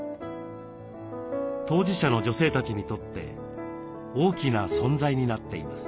当事者の女性たちにとって大きな存在になっています。